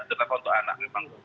tetap untuk anak memang